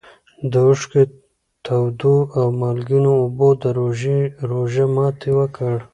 د اوښکو تودو او مالګینو اوبو د روژې روژه ماتي وکړ.